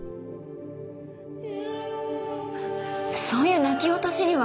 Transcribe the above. そういう泣き落としには！